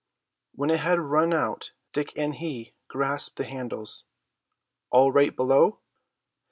When it had run out Dick and he grasped the handles. "All right below?"